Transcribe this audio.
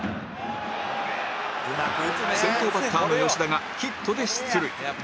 先頭バッターの吉田がヒットで出塁